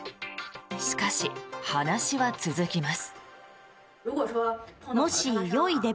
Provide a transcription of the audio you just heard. しかし、話は続きます。